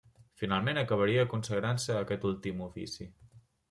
Finalment acabaria consagrant-se a aquest últim ofici.